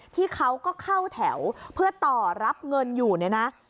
ที่เขาก็เข้าแถวเพื่อต่อรับเงินอยู่เนี่ยนะ